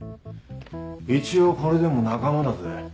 一応これでも仲間だぜ？